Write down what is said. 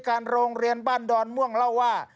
การโรงเรียนบ้านดอนม่วงเล่าว่า